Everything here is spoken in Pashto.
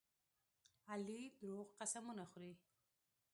علي دروغ قسمونه خوري.